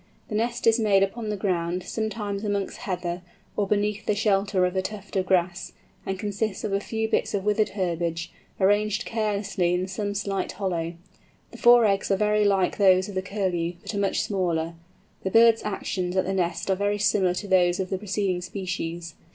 The nest is made upon the ground, sometimes amongst heather, or beneath the shelter of a tuft of grass, and consists of a few bits of withered herbage, arranged carelessly in some slight hollow. The four eggs are very like those of the Curlew, but are much smaller. The bird's actions at the nest are very similar to those of the preceding species.